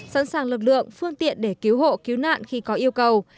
sẵn sàng lực lượng phương tiện để cứu hộ cứu nạn khi có yêu cầu